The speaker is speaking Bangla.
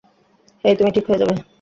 হেই, তুমি ঠিক হয়ে যাবে।